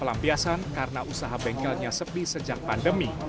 pelampiasan karena usaha bengkelnya sepi sejak pandemi